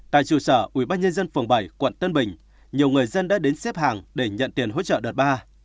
tại trụ sở ubnd phường bảy quận tân bình nhiều người dân đã đến xếp hàng để nhận tiền hỗ trợ đợt ba